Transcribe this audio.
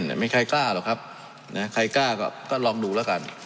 ไม่มีใครกล้าหรอกครับนะใครกล้าก็ลองดูแล้วกัน